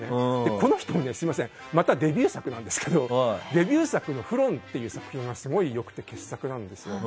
この人もまたデビュー作ですがデビュー作の「ふろん」っていう作品が、すごく良くて傑作なんですよ。